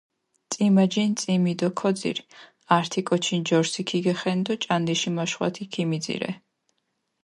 წჷმაჯინჷ წჷმიი დო ქოძირჷ, ართი კოჩი ნჯორსჷ ქიგეხენდო ჭანდიში მაშხვათჷ ქიმიძირე.